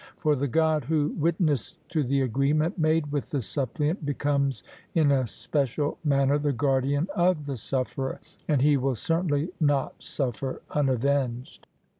For the God who witnessed to the agreement made with the suppliant, becomes in a special manner the guardian of the sufferer; and he will certainly not suffer unavenged.